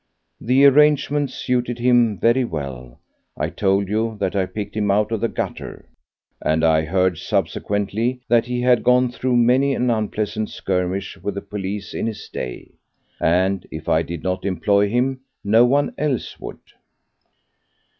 The arrangement suited him very well. I told you that I picked him out of the gutter, and I heard subsequently that he had gone through many an unpleasant skirmish with the police in his day, and if I did not employ him no one else would.